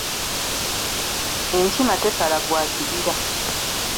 Enkima tesala gwa kibira.